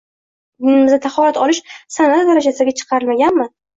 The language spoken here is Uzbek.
Dinimizda tahorat olish san’at darajasiga chiqarilmaganmi?